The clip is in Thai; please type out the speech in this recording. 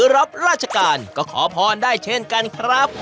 รับราชการก็ขอพรได้เช่นกันครับ